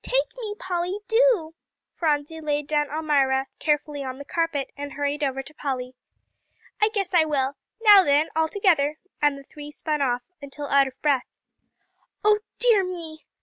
"Take me, Polly, do." Phronsie laid down Almira carefully on the carpet, and hurried over to Polly. "I guess I will. Now then, all together!" and the three spun off until out of breath. "Oh dear me!"